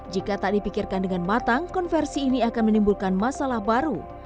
jika tak dipikirkan dengan matang konversi ini akan menimbulkan masalah baru